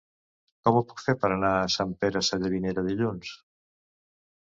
Com ho puc fer per anar a Sant Pere Sallavinera dilluns?